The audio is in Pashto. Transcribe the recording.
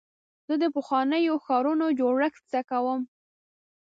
زه د پخوانیو ښارونو جوړښت زده کوم.